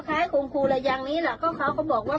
แคระคมคู่แบบนี้ก็บอกว่า